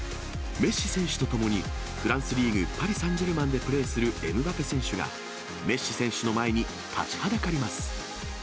メッシ選手と共に、フランスリーグ・パリサンジェルマンでプレーするエムバペ選手が、メッシ選手の前に立ちはだかります。